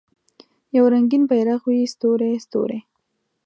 یو رنګین بیرغ وي ستوری، ستوری